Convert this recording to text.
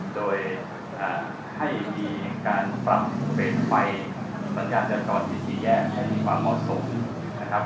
โดยให้มีการปรับเฟสไฟสัญญาจัดกรณ์ที่ที่แยกให้มีความเหมาะสม